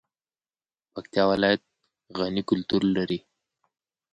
پکتیا ولایت غني کلتور لري